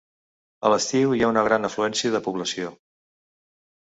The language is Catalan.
A l'estiu hi ha una gran afluència de població.